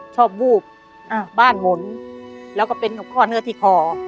ชอบวูบอ่าบ้านหมนแล้วก็เป็นข้อเนื้อที่ขออ๋อ